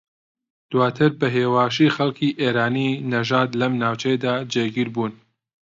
دواتر بە ھێواشی خەڵکی ئێرانی نەژاد لەم ناوچەیەدا جێگیر بوون